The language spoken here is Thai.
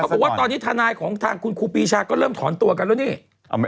บอกว่าตอนนี้ทนายของทางคุณครูปีชาก็เริ่มถอนตัวกันแล้วนี่